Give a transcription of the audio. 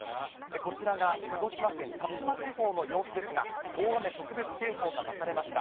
こちらが鹿児島県薩摩地方の様子ですが、大雨特別警報が出されました。